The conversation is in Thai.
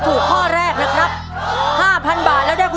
ถูกครับ